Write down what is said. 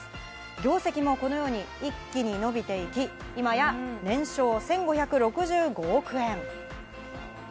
業績もこのように一気に伸びていき、今や年商１５６５億円。